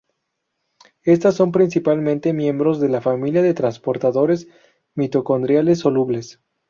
Estas son principalmente miembros de la familia de transportadores mitocondriales solubles.